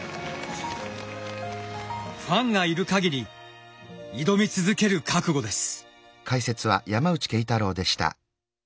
ファンがいるかぎり挑み続ける覚悟です。